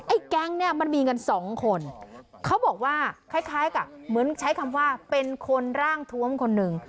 แก๊งเนี่ยมันมีกันสองคนเขาบอกว่าคล้ายคล้ายกับเหมือนใช้คำว่าเป็นคนร่างทวมคนหนึ่ง